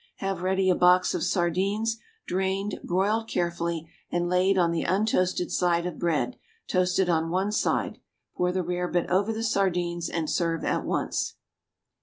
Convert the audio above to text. Have ready a box of sardines, drained, broiled carefully and laid on the untoasted side of bread toasted on one side; pour the rarebit over the sardines and serve at once.